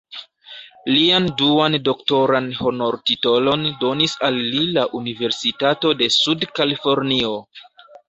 Lian duan doktoran honortitolon donis al li la Universitato de Sud-Kalifornio.